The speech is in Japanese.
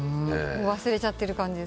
忘れちゃってる感じ？